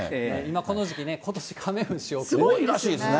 この時期ね、ことしカメムシ、多いらしいですね。